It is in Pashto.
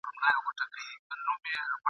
له پلرونو له نیکونو تعویذګر یم !.